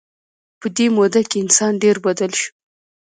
په دې موده کې انسان ډېر بدل شو.